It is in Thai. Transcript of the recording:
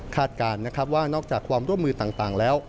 การนะครับว่านอกจากความร่วมมือต่างแล้ว